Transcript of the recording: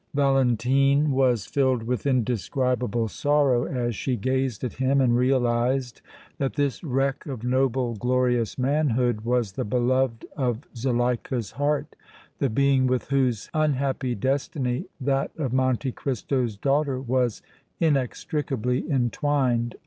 Valentine was filled with indescribable sorrow as she gazed at him and realized that this wreck of noble, glorious manhood was the beloved of Zuleika's heart, the being with whose unhappy destiny that of Monte Cristo's daughter was inextricably entwined.